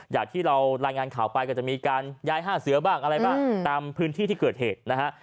อย่างที่เรารายงานข่าวไปก็จะมีการย้าย๕เสือบ้างอะไรบ้างตามพื้นที่ที่เกิดเหตุนะฮะ